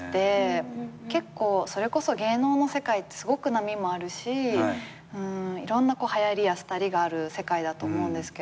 それこそ芸能の世界ってすごく波もあるしいろんなはやりや廃りがある世界だと思うんですけど。